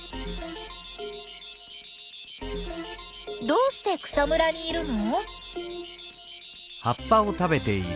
どうして草むらにいるの？